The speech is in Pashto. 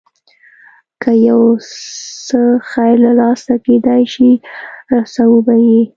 که یو څه خیر له لاسه کېدای شي رسوو به یې.